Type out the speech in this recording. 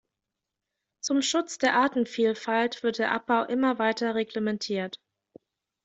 Zum Schutz der Artenvielfalt wird der Abbau immer weiter reglementiert.